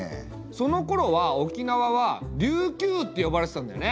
そのころは沖縄は琉球って呼ばれてたんだよね？